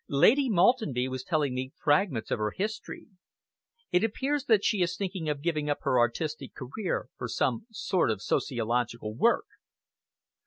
Lady Maltenby was telling me fragments of her history. It appears that she is thinking of giving up her artistic career for some sort of sociological work."